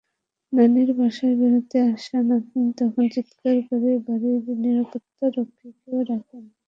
নানির বাসায় বেড়াতে আসা নাতনি তখন চিৎকার করে বাড়ির নিরাপত্তারক্ষীকে ডাকেন।